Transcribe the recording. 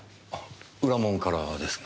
裏門からですが。